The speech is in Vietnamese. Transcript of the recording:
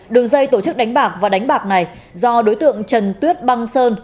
đường dây tổ chức đánh bạc và đánh bạc này do đối tượng trần tuyết băng sơn